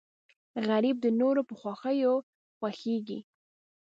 غریب د نورو په خوښیو خوښېږي